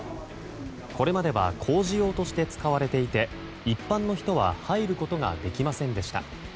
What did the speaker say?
これまでは工事用として使われていて一般の人は入ることができませんでした。